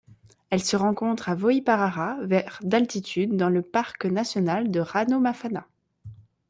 Elle se rencontre à Vohiparara vers d'altitude dans le parc national de Ranomafana.